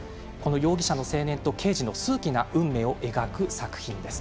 容疑者の青年と刑事の数奇な運命を描く作品です。